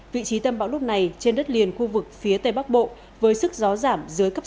vị trí tâm bão lúc này trên đất liền khu vực phía tây bắc bộ với sức gió giảm